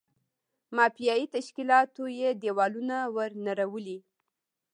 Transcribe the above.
مافیایي تشکیلاتو یې دېوالونه ور نړولي.